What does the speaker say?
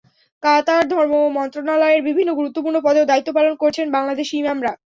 কাতার ধর্ম মন্ত্রণালয়ের বিভিন্ন গুরুত্বপূর্ণ পদেও দায়িত্ব পালন করছেন বাংলাদেশি ইমামরা।